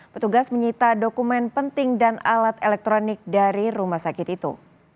petugas menyita dokumen penting dan alat elektronik dari rumah sakit itu